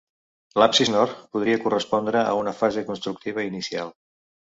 L'absis nord podria correspondre a una fase constructiva inicial.